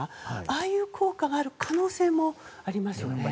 ああいう効果がある可能性もありますね。